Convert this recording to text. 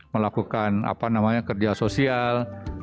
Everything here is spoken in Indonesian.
melakukan kerja sosial